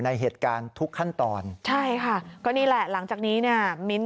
ในเหตุการณ์ทุกขั้นตอนใช่ค่ะก็นี่แหละหลังจากนี้เนี่ยมิ้นท